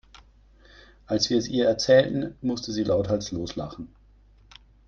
Als wir es ihr erzählten, musste sie lauthals loslachen.